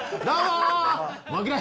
どうも！